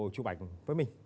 chụp ảnh với mình